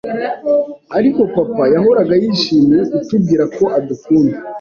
ariko papa yahoraga yishimiye kutubwira ko adukunda